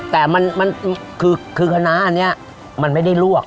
แต่มันมันคือคือคณะอันเนี้ยมันไม่ได้ลวก